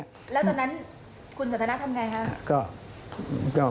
แล้วตอนนั้นคุณสันทนาทำไงคะ